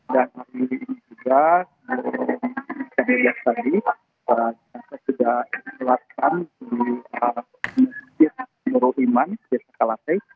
dan juga saya lihat tadi kita sudah telatkan di masjid nurul iman desa kalasei